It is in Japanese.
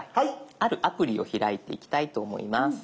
あるアプリを開いていきたいと思います。